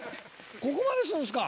ここまでするんですか！